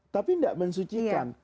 tapi tidak mensucikan